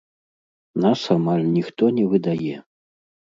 Нас амаль ніхто не выдае.